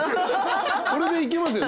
これでいけますよね？